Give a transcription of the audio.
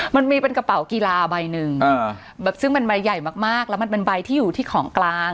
มันมีเป็นกระเป๋ากีฬาใบหนึ่งซึ่งมันใบใหญ่มากแล้วมันเป็นใบที่อยู่ที่ของกลาง